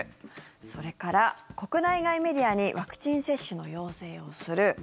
それから、国内外メディアにワクチン接種の要請をする。